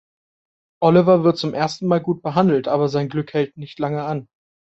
Oliver wird zum ersten Mal gut behandelt, aber sein Glück hält nicht lange an.